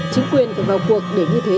chính quyền cần vào cuộc để như thế